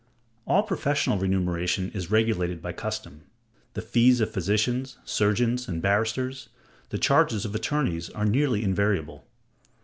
All professional remuneration is regulated by custom. The fees of physicians, surgeons, and barristers, the charges of attorneys, are nearly invariable.